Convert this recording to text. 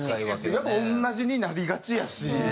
やっぱ同じになりがちやし。